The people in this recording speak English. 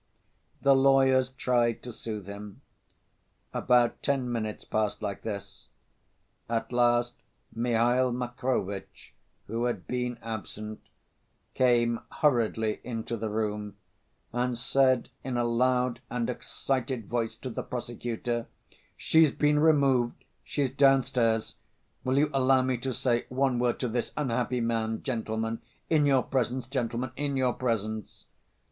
The lawyers tried to soothe him. About ten minutes passed like this. At last Mihail Makarovitch, who had been absent, came hurriedly into the room, and said in a loud and excited voice to the prosecutor: "She's been removed, she's downstairs. Will you allow me to say one word to this unhappy man, gentlemen? In your presence, gentlemen, in your presence."